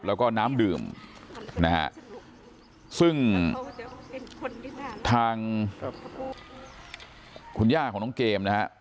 แล้วก็น้ำดื่มนะฮะซึ่งทางคุณย่าของน้องเกมนะฮะ